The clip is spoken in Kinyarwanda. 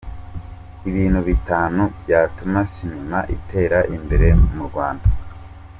Ibintu bitanu byatuma sinema itera imbere mu Rwanda